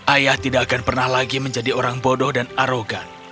ayah tidak akan pernah lagi menjadi orang bodoh dan arogan